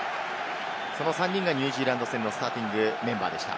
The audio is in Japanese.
その３人がニュージーランド戦のスターティングメンバーでした。